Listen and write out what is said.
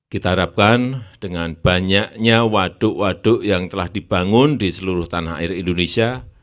kita harapkan dengan banyaknya waduk waduk yang telah dibangun di seluruh tanah air indonesia